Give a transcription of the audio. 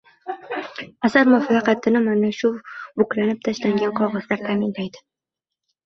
Asar muvaffaqiyatini mana shu buklanib tashlangan qog‘ozlar ta’minlaydi.